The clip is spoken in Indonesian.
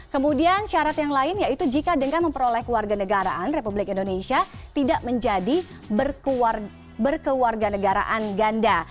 kemudian syarat yang lain yaitu jika dengan memperoleh kewarganegaraan republik indonesia tidak menjadi berkewarganegaraan ganda